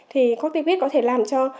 thì corticoid có thể làm cho